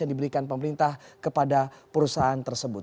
yang diberikan pemerintah kepada perusahaan tersebut